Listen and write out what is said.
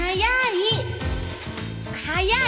早い！